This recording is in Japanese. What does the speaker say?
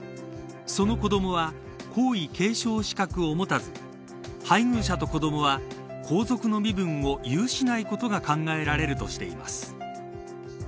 その子どもは皇位継承資格を持たず配偶者と子どもは皇族の身分を有しないことが考えられるとしています。